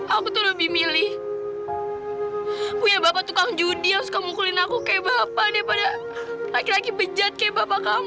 aku tuh lebih milih punya bapak tukang judi yang suka mukulin aku kayak bapak daripada laki laki bejat kayak bapak kamu